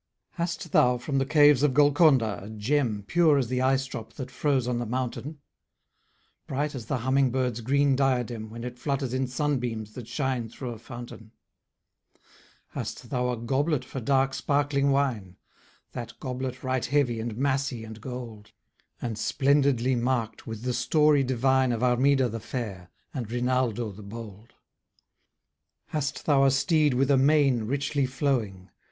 Hast thou from the caves of Golconda, a gem Pure as the ice drop that froze on the mountain? Bright as the humming bird's green diadem, When it flutters in sun beams that shine through a fountain? Hast thou a goblet for dark sparkling wine? That goblet right heavy, and massy, and gold? And splendidly mark'd with the story divine Of Armida the fair, and Rinaldo the bold? Hast thou a steed with a mane richly flowing?